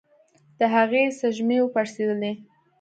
د هغې سږمې وپړسېدلې.